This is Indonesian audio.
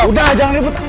udah jangan ribut